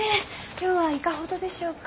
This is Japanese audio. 今日はいかほどでしょうか。